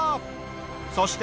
そして。